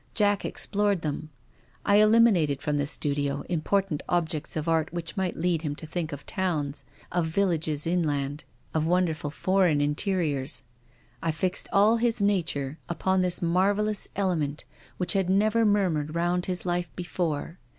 Jack explored them. I eliminated from the studio important objects of art which might lead him to think of towns, of villages in land, of wonderful foreign interiors. I fixed all his nature upon thismarvellouselement which had never murmured round his life before.